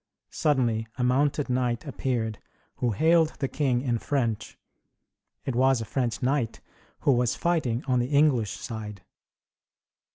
Suddenly a mounted knight appeared, who hailed the king in French. It was a French knight, who was fighting on the English side.